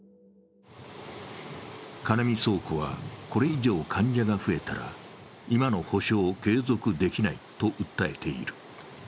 カネミ倉庫は、これ以上患者が増えたら今の補償を継続できないと訴えている。